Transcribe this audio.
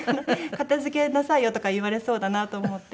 「片付けなさいよ」とか言われそうだなと思って。